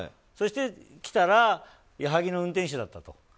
そして、来たら矢作の運転手だったと。